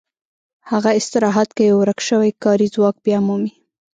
هغه استراحت کوي او ورک شوی کاري ځواک بیا مومي